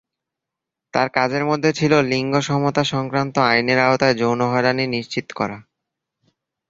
তার কাজের মধ্যে ছিল লিঙ্গ সমতা সংক্রান্ত আইনের আওতায় যৌন হয়রানি নিশ্চিত করা।